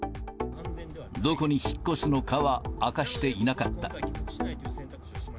どこに引っ越すのかは明かしていなかった。